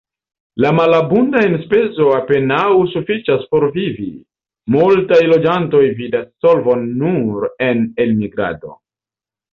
La malabunda enspezo apenaŭ sufiĉas por vivi, multaj loĝantoj vidas solvon nur en elmigrado.